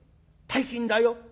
大金だよ。